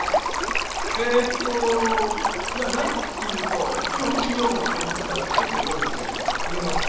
えっといや「ない」って言うと今もし女房がこれ見てたらすごく怒るんで言えません。